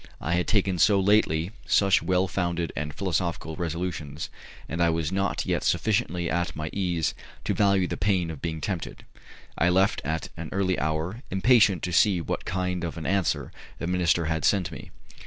I had taken so lately such well founded and philosophical resolutions, and I was not yet sufficiently at my ease to value the pain of being tempted. I left at an early hour, impatient to see what kind of an answer the minister had sent me.